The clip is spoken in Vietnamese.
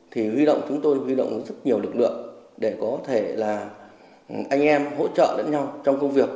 thì huy động chúng tôi huy động rất nhiều lực lượng để có thể là anh em hỗ trợ lẫn nhau trong công việc